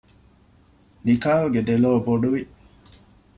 ނިކާލްގެ ދެލޯ ބޮޑުވި